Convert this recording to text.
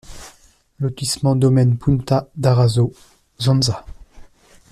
Lotissement Domaine Punta d'Araso, Zonza